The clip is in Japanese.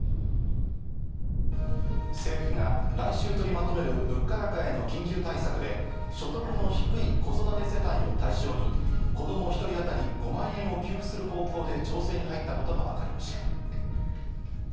政府が来週取りまとめる物価高への緊急対策で所得の低い子育て世帯を対象に子供１人当たり５万円を給付する方向で調整に入ったことがわかりました。